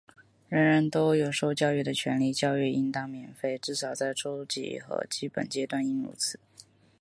人人都有受教育的权利,教育应当免费,至少在初级和基本阶段应如此。